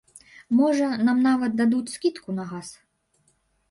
Можа, нам нават дадуць скідку на газ!